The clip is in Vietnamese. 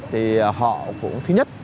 thì họ cũng thứ nhất